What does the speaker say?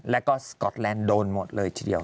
แล้วก็สก๊อตแลนด์โดนหมดเลยทีเดียว